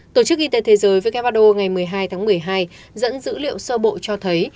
tổ chức y tế thế giới who ngày một mươi hai tháng một mươi hai dẫn dữ liệu sơ bộ cho thấy